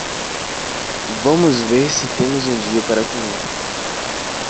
Vamos ver se temos um dia para comer.